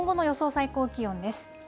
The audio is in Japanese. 最高気温です。